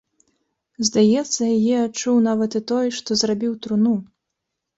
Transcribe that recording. Здаецца, яе адчуў нават і той, што зрабіў труну.